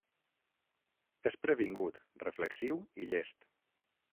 És previngut, reflexiu i llest.